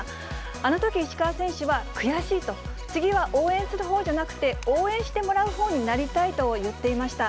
あのとき、石川選手は悔しいと、次は応援するほうじゃなくて、応援してもらうほうになりたいと言っていました。